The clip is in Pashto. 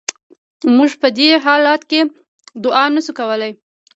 موږ په دې حالت کې ادعا نشو کولای.